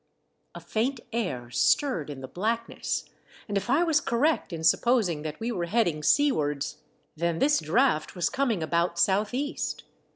A faint air stirred in the blackness, and if I was correct in supposing that we were heading seawards, then this draught was coming about south east.